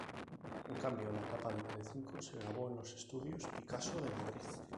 En cambio la etapa de Telecinco se grabó en los estudios Picasso de Madrid.